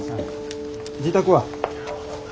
自宅は？